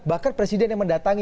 bahkan presiden yang mendatangi